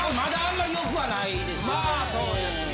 まあそうですね。